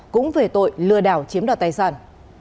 cũng về tội lừa đảo chiếm đoạt tài sản